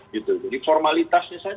jadi formalitasnya saja